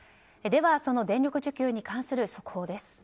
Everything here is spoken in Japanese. では、その電力需給に関する速報です。